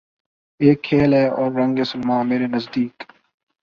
اک کھیل ہے اورنگ سلیماں مرے نزدیک